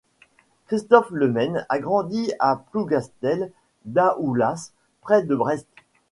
Christophe Le Menn a grandi à Plougastel-Daoulas près de Brest.